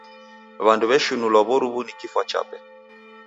W'andu w'eshinulwa w'oru'wu ni kifwa chape.